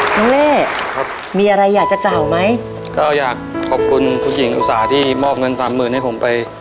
เล่ครับมีอะไรอยากจะกล่าวไหมก็อยากขอบคุณคุณหญิงอุตสาหที่มอบเงินสามหมื่นให้ผมไป